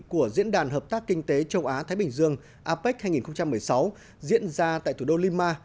của diễn đàn hợp tác kinh tế châu á thái bình dương apec hai nghìn một mươi sáu diễn ra tại thủ đô lima